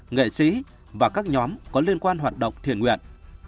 nghệ sĩ và các nhóm có liên quan hoạt động thiền nguyện